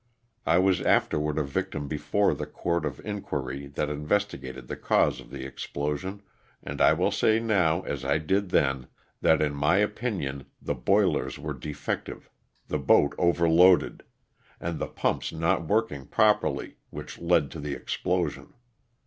I was afterward a witness before the court of inquiry that investigated the cause of the explosion, and I will say now, as I did then, that in my opinion the boilers were defective, the boat over loaded, and the pumps not working properly which led to the explosion.